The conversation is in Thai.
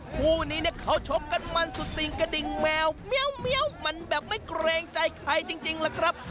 คู่นี้เนี่ยเขาชกกันมันสุดติงกระดิ่งแมวเมียวมันแบบไม่เกรงใจใครจริงล่ะครับ